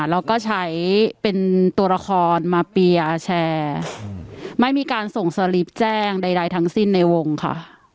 แล้วก็ใช้เป็นตัวละครมาเปียร์แชร์ไม่มีการส่งสลิปแจ้งใดทั้งสิ้นในวงค่ะ